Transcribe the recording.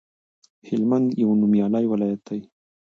هلمند یو نومیالی ولایت دی